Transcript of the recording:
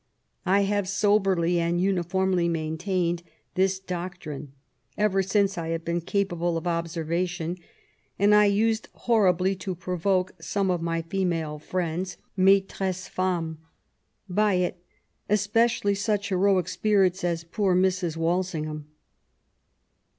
I have soberly and uniformly maintained this doctrine ever since I have been capable of observation, and I used horridly to provoke some of my female friends — mattresses femrnes — by it, especially such heroic spirits as poor Mrs. Walsingham.